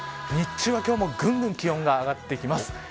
日中は今日もぐんぐん気温が上がります。